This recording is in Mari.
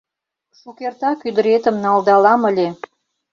Шукертак ӱдыретым налдалам ыле.